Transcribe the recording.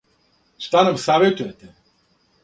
Шта нам саветујете?